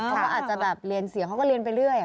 เขาก็อาจจะแบบเรียนเสียเขาก็เรียนไปเรื่อย